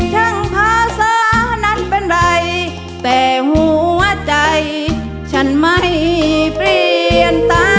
ภาษานั้นเป็นไรแต่หัวใจฉันไม่เปลี่ยนตา